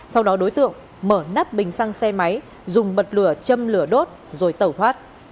sau đó đối tượng mở nắp bình xăng xe máy dùng bật lửa châm lửa đốt rồi tẩu thoát